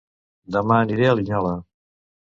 Dema aniré a Linyola